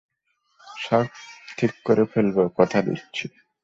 সব ঠিক করে ফেলবো, কথা দিচ্ছি।